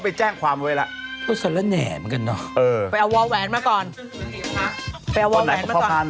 เดี๋ยวมาลืน